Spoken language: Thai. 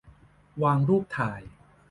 วางรูปถ่าย